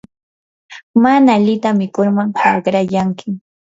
mana alita mikurqa haqrayankim.